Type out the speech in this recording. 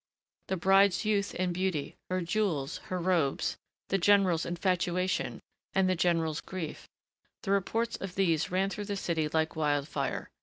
The bride's youth and beauty, her jewels, her robes, the general's infatuation, and the general's grief, the reports of these ran through the city like wildfire.